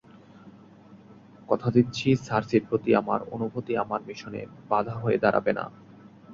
কথা দিচ্ছি সার্সির প্রতি আমার অনুভূতি আমার মিশনে বাঁধা হয়ে দাঁড়াবে না।